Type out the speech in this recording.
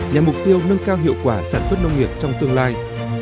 nhằm mục tiêu nâng cao hiệu quả sản xuất nông nghiệp trong tương lai